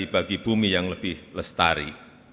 bagi bumi yang lebih lestari